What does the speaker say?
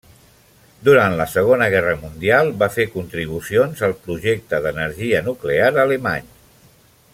Durant Segona Guerra Mundial, va fer contribucions al projecte d'energia nuclear alemany.